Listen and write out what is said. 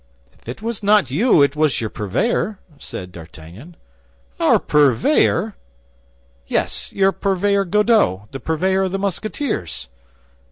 "If it was not you, it was your purveyor," said D'Artagnan. "Our purveyor!" "Yes, your purveyor, Godeau—the purveyor of the Musketeers."